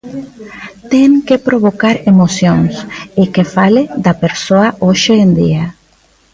Ten que provocar emocións e que fale da persoa hoxe en día.